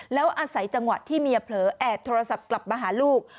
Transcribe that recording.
แล้วอาศัยจังหวะที่เมียเผลอแอบโทรศัพท์กลับมาหาลูก